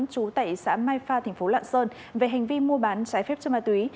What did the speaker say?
chú tẩy xã mai pha tp lạng sơn về hành vi mua bán trái phép cho ma túy